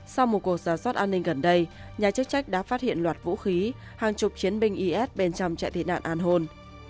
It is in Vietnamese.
sau một cuộc giả soát an ninh gần đây nhà chức trách đã phát hiện loạt vũ khí hàng chục chiến binh is bên trong chạy tị nạn an hôn